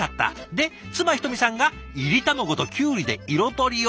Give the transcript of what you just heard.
で妻ひとみさんが炒り卵ときゅうりで彩りを。